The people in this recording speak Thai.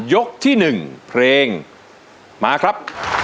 ที่๑เพลงมาครับ